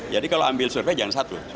jadi kalau ambil survei jangan satu